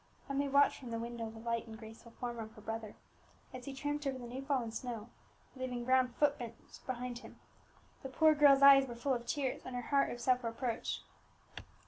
Emmie watched from the window the light and graceful form of her brother, as he tramped over the new fallen snow, leaving brown footprints behind him. The poor girl's eyes were full of tears, and her heart of self reproach.